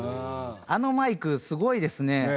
あのマイクすごいですね。